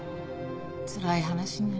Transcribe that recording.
つらい話ね。